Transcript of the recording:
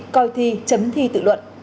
coi thi chấm thi tự luận